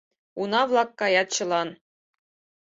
Уна-влак каят чылан.